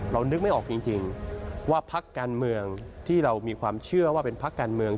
นึกไม่ออกจริงว่าพักการเมืองที่เรามีความเชื่อว่าเป็นพักการเมือง